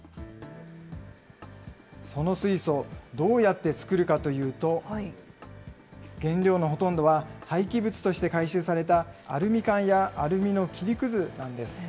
その水素、どうやって作るかというと、原料のほとんどは、廃棄物として回収されたアルミ缶やアルミの切りくずなんです。